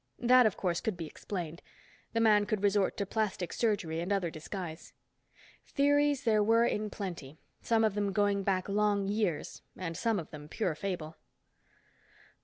That, of course, could be explained. The man could resort to plastic surgery and other disguise. Theories there were in plenty, some of them going back long years, and some of them pure fable.